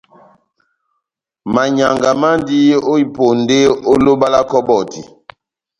Manyianga mandi ó iponde ó loba lá kɔbɔti.